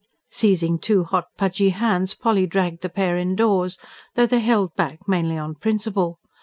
Seizing two hot, pudgy hands Polly dragged the pair indoors though they held back mainly on principle.